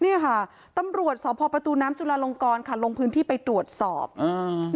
เนี่ยค่ะตำรวจสพประตูน้ำจุลาลงกรค่ะลงพื้นที่ไปตรวจสอบอืม